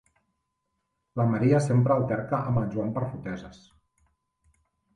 La Maria sempre alterca amb en Joan per foteses.